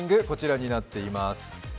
こちらになっています。